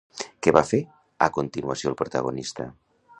Què va fer a continuació el protagonista?